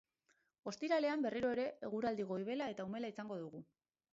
Ostiralean, berriro ere, eguraldi goibela eta umela izango dugu.